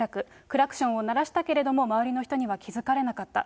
クラクションを鳴らしたけれども、周りの人には気付かれなかった。